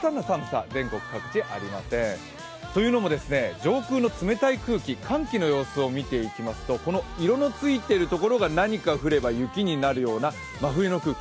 上空の冷たい空気、寒気の様子を見ていきますと、色のついているところが何か降れば雪になるような真冬の空気。